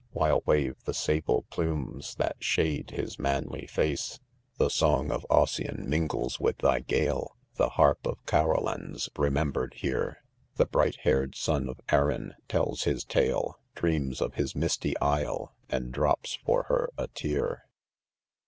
While wave the] sable plumes that shade his manly face < The song of Os'slan mingles witfr thy gale, ^ The harp of Oarblan's' remembered* here. Tie :brightt.hairea ;; s;oii 'of Eriny tern Ms tale, Dre&MsHdf his misty isle, arid drops, for her, a tear.